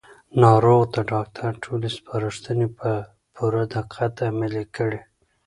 ناروغ د ډاکټر ټولې سپارښتنې په پوره دقت عملي کړې